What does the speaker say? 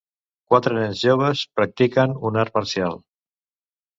Quatre nens joves practiquen un art marcial.